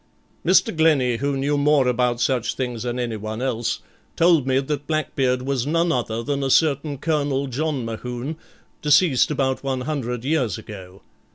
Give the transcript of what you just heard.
Mr. Glennie, who knew more about such things than anyone else, told me that Blackbeard was none other than a certain Colonel John Mohune, deceased about one hundred years ago.